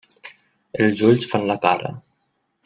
Els ulls fan la cara.